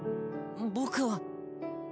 僕は。